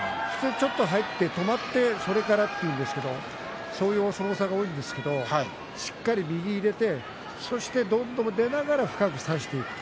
入って止まってそれからというんですがそういうお相撲さんが多いんですがしっかり右を入れてそして、どんどん出ながら深く差していく。